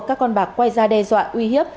các con bạc quay ra đe dọa uy hiếp